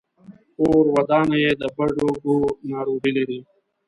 کورودانه يې د بډوګو ناروغي لري.